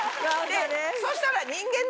そうしたら。